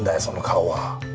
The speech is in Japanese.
その顔は。